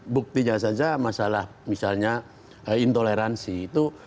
buktinya saja masalah misalnya intoleransi itu